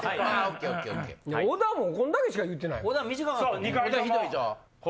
小田こんだけしか言うてない。